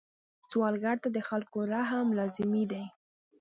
سوالګر ته د خلکو رحم لازمي دی